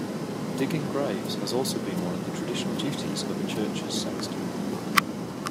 Digging graves has also been one of the traditional duties of a church's sexton.